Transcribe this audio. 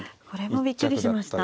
これもびっくりしました。